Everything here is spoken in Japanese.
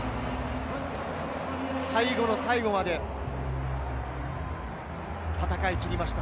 最後の最後まで戦い切りました。